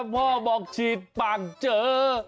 พ่อบอกฉีดปากเจริญ